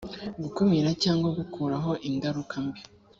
gukumira cyangwa gukuraho ingaruka mbi